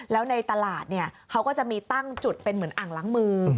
แล้วในตลาดเขาก็จะมีตั้งจุดเป็นเหมือนอ่างล้างมือ